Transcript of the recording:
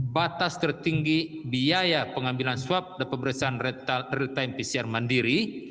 batas tertinggi biaya pengambilan swab dan pemeriksaan real time pcr mandiri